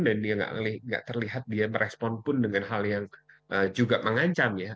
dan dia tidak terlihat dia merespon pun dengan hal yang juga mengancam